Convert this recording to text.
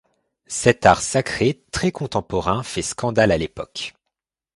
Cet art sacré très contemporain fait scandale à l'époque.